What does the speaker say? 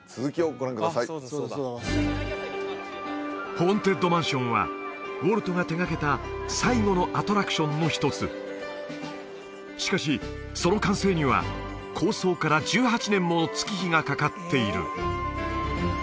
ホーンテッドマンションはウォルトが手掛けた最後のアトラクションの一つしかしその完成には構想から１８年もの月日がかかっている